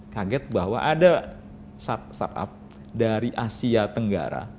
kaget bahwa ada startup dari asia tenggara